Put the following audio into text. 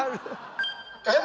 えっ！